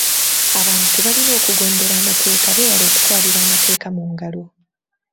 Abantu balina okugondera amateeka beewale okutwalira amateeka mu ngalo.